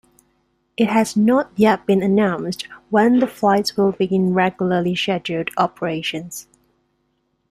It has not yet been announced when the flight will begin regularly scheduled operations.